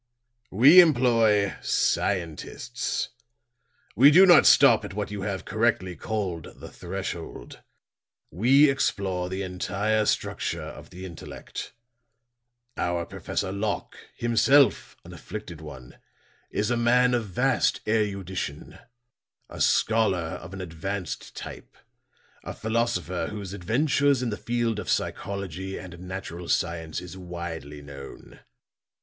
"We employ scientists. We do not stop at what you have correctly called the threshold. We explore the entire structure of the intellect. Our Professor Locke, himself an afflicted one, is a man of vast erudition a scholar of an advanced type, a philosopher whose adventures into the field of psychology and natural science is widely known.